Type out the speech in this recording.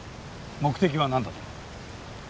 目的はなんだと？